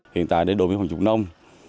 hiện tại đến đồn biên phòng dục nông